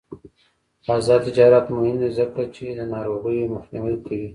آزاد تجارت مهم دی ځکه چې د ناروغیو مخنیوی کوي.